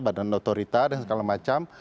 badan otorita dan segala macam